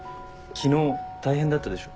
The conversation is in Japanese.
昨日大変だったでしょ。